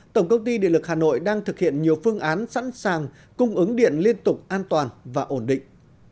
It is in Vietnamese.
tổng công ty điện lực hà nội đang thực hiện nhiều phương án sẵn sàng cung ứng điện liên tục an toàn và ổn định